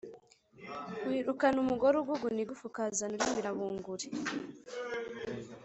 Wirukana umugore uguguna igufa ukazana urimira bunguri.